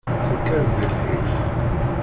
Tekker-d di lḥif.